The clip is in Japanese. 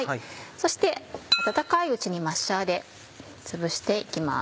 そして温かいうちにマッシャーでつぶして行きます。